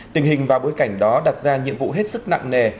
tình hình vào bối cảnh đó đặt ra nhiệm vụ hết sức nặng nề